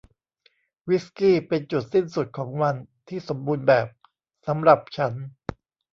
วิสกี้เป็นจุดสิ้นสุดของวันที่สมบูรณ์แบบสำหรับฉัน